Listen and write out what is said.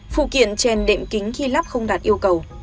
phụ kiện trên đệm kính khi lắp không đạt yêu cầu